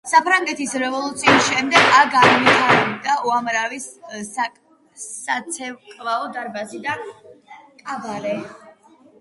საფრანგეთის რევოლუციის შემდეგ აქ განთავსდა უამრავი საცეკვაო დარბაზი და კაბარე.